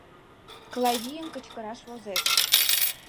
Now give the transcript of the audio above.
Клавийым кычкыраш возеш.